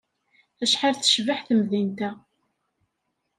Acḥal tecbeḥ temdint-a!